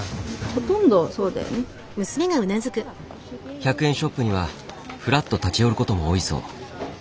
１００円ショップにはふらっと立ち寄ることも多いそう。